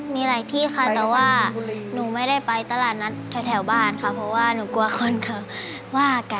มีหลายที่ค่ะแต่ว่าหนูไม่ได้ไปตลาดนัดแถวบ้านค่ะเพราะว่าหนูกลัวคนเขาว่ากัน